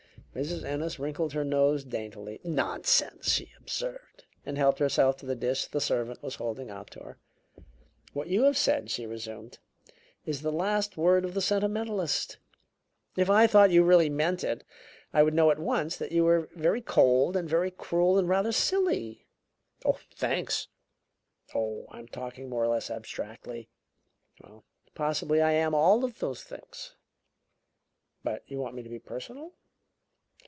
Mrs. Ennis wrinkled her nose daintily. "Nonsense!" she observed, and helped herself to the dish the servant was holding out to her. "What you have said," she resumed, "is the last word of the sentimentalist. If I thought you really meant it, I would know at once that you were very cold and very cruel and rather silly." "Thanks!" "Oh, I'm talking more or less abstractly." "Well, possibly I am all of those things." "But you want me to be personal?"